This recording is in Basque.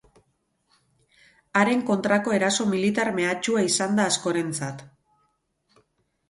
Haren kontrako eraso militar mehatxua izan da askorentzat.